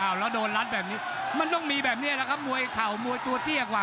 แล้วโดนรัดแบบนี้มันต้องมีแบบนี้แหละครับมวยเข่ามวยตัวเตี้ยกว่า